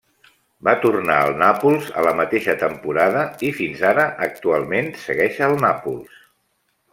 Va tornar al Nàpols a la mateixa temporada i fins ara, actualment segueix al Nàpols.